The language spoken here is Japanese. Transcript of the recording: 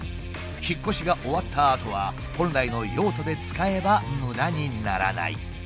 引っ越しが終わったあとは本来の用途で使えば無駄にならない。